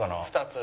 ２つ。